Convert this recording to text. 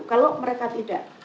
kalau mereka tidak